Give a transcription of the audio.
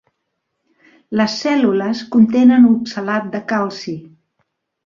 Les cèl·lules contenen oxalat de calci.